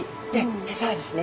実はですね